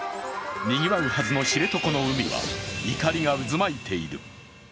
にぎわうはずの知床の海は怒りが渦巻いている。